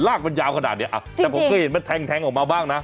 รากมันยาวขนาดเนี้ยอ่ะจริงจริงแต่ผมเคยเห็นมันแท้งแท้งออกมาบ้างนะ